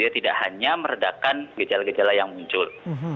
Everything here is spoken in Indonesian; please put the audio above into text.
tidak hanya meredakan gejala gejala yang muncul